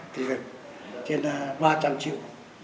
thì được trên là ba trăm linh triệu